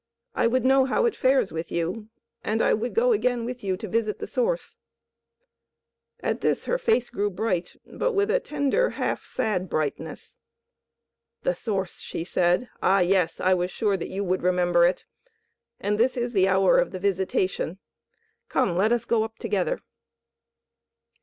I would know how it fares with you, and I would go again with you to visit the Source." At this her face grew bright, but with a tender, half sad brightness. "The Source!" she said. "Ah, yes, I was sure that you would remember it. And this is the hour of the visitation. Come, let us go up together."